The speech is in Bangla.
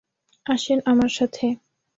আসেন আমার সাথে।